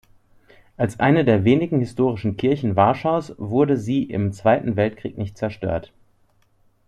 Als eine der wenigen historischen Kirchen Warschaus wurde sie im Zweiten Weltkrieg nicht zerstört.